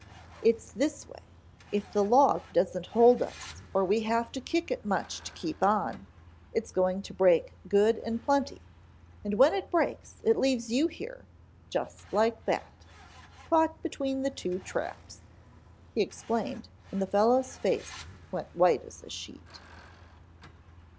It's this way, if the log doesn't hold us or we have to kick it much to keep on, it's going to break good and plenty, and when it breaks, it leaves you here, just like that, caught between the two traps," he explained, and the fellow's face went white as a sheet.